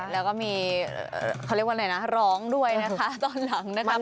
แล้วก็มีเขาเรียกว่าอะไรนะร้องด้วยนะคะตอนหลังนะครับ